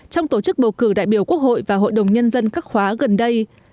trong tổ chức bầu cử đại biểu quốc hội và hội đồng nhân dân các khóa gần đây